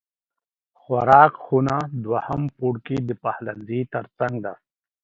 خوراک خونه دوهم پوړ کې د پخلنځی تر څنګ ده